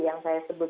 yang saya sebut